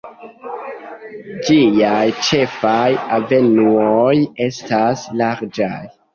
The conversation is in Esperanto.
Ĝiaj ĉefaj avenuoj estas larĝaj.